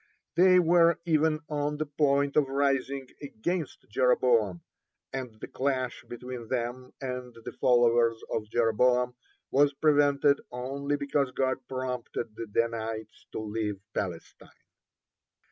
They were even on the point of rising against Jeroboam, and the clash between them and the followers of Jeroboam was prevented only because God prompted the Danites to leave Palestine.